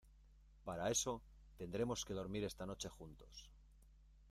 para eso tendremos que dormir esta noche juntos.